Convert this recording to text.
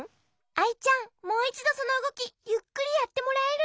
アイちゃんもういちどそのうごきゆっくりやってもらえる？